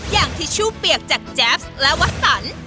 อย่างทิชชู่เปียกจากแจ๊ปซ์และวัศร